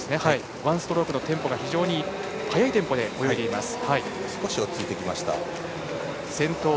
ワンストロークのテンポが非常に速いテンポで少し落ち着いてきました。